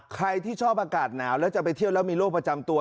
ใครที่ชอบอากาศหนาวแล้วจะไปเที่ยวแล้วมีโรคประจำตัว